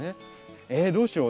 えっどうしよう？